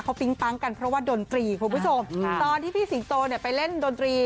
เขาปิ๊งปั๊งกันเพราะว่าดนตรีคุณผู้ชมตอนที่พี่สิงโตเนี่ยไปเล่นดนตรี